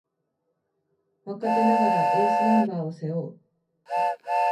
若手ながらエースナンバーを背負う